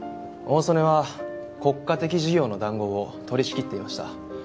大曾根は国家的事業の談合を取りしきっていました。